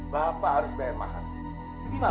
bapak harus bayar mahal